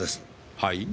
はい？